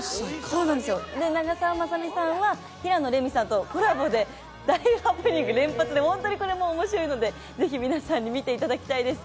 長澤まさみさんは平野レミさんとコラボで大ハプニング連発で本当に面白いので皆さんに見ていただきたいです。